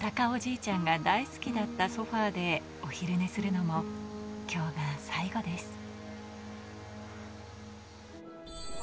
おじいちゃんが大好きだったソファでお昼寝するのも今日が最後です。